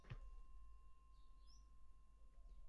“Unutmaymiz”, deb qasam ichsangiz ham